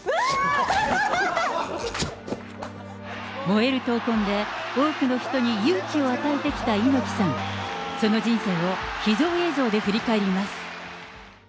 燃える闘魂で、多くの人に勇気を与えてきた猪木さん、その人生を秘蔵映像で振り返ります。